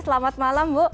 selamat malam bu